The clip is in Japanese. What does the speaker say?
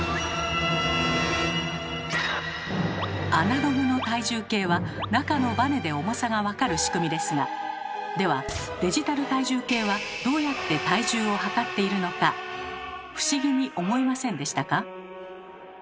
アナログの体重計は中のバネで重さが分かる仕組みですがではデジタル体重計はどうやって体重をはかっているのか不思議に思いませんでしたか？